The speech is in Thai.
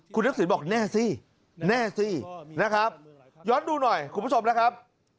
คุณทักษิณบอกแน่สิแน่สินะครับย้อนดูหน่อยคุณผู้ชมนะครับ